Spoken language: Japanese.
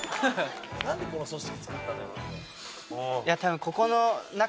何でこの組織つくったんだ。